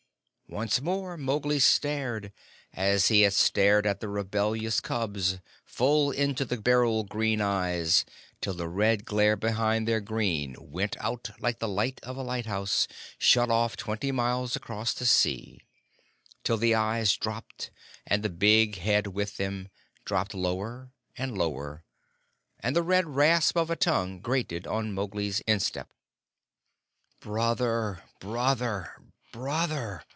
Once more Mowgli stared, as he had stared at the rebellious cubs, full into the beryl green eyes till the red glare behind their green went out like the light of a lighthouse shut off twenty miles across the sea; till the eyes dropped, and the big head with them dropped lower and lower, and the red rasp of a tongue grated on Mowgli's instep. "Brother Brother Brother!"